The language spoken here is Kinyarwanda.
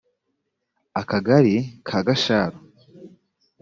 akagali ka gasharu